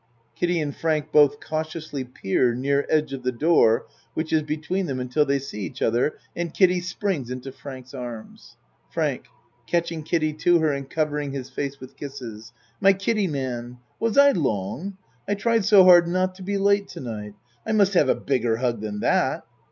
(Kiddie and Frank both cautiously peer near edge of the door which is between them until they see each other and Kiddie springs into Frank's arms.) FRANK (Catching Kiddie to her and covering his face with kisses.) My Kiddie man! Was I long? I tried so hard not to be late to night. I must have a bigger hug than that.